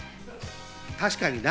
確かにな。